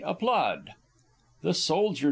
applaud: the Soldier D.